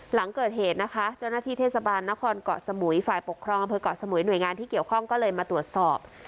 หลังเกิดเหตุนะคะเจ้าหน้าที่เทศบาลนครเกาะสมุยฝ่ายปกครองอำเภอกเกาะสมุยหน่วยงานที่เกี่ยวข้องก็เลยมาตรวจสอบ